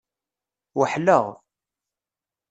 Weḥleɣ.